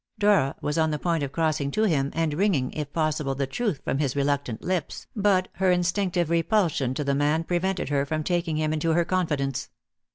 Dora was on the point of crossing to him, and wringing, if possible, the truth from his reluctant lips, but her instinctive repulsion to the man prevented her from taking him into her confidence.